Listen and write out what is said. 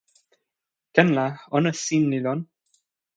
ken la, ona sin li lon.